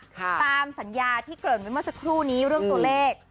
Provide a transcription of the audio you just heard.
ตามสัญญาที่เกริ่นไว้เมื่อสักครู่นี้เรื่องตัวเลข